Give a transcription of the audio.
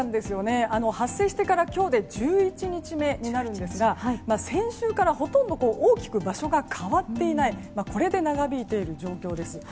発生してから今日で１１日目になるんですが先週から、ほとんど大きく場所が変わっていないこれで長引いている状況です。